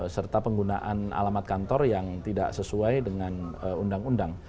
serta penggunaan alamat kantor yang tidak sesuai dengan undang undang